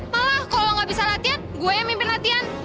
malah kalau nggak bisa latihan gue yang mimpin latihan